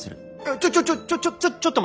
ちょちょちょちょちょちょちょっと待った！